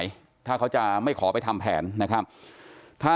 กลุ่มวัยรุ่นกลัวว่าจะไม่ได้รับความเป็นธรรมทางด้านคดีจะคืบหน้า